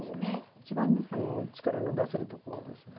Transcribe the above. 一番ね力の出せるところですよね。